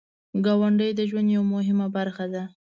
ګاونډی د ژوند یو مهم برخه ده